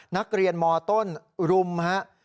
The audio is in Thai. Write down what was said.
นักเรียนมต้นรุมฮะ